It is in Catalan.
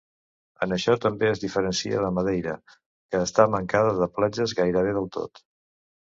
En això també es diferencia de Madeira, que està mancada de platges gairebé del tot.